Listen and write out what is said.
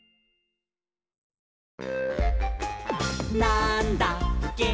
「なんだっけ？！